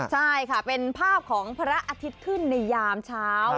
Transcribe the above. ใช่ค่ะเป็นภาพของพระอาทิตย์ขึ้นในยามเช้า